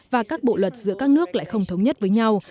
và các bộ luật giữa các nước lại không thống nhất với nhau